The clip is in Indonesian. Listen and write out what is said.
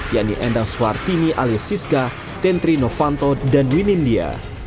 yang diendang suar timi alias siska tentri novanto dan winindia